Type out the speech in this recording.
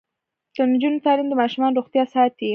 د نجونو تعلیم د ماشومانو روغتیا ساتي.